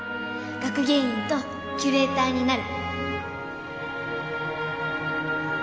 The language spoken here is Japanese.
学芸員とキュレーターになる